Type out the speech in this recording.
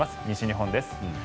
西日本です。